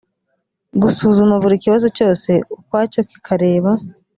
gusuzuma buri kibazo cyose ukwacyo kikareba